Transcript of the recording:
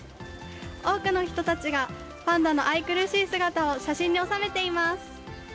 多くの人たちがパンダの愛くるしい姿を写真に収めています。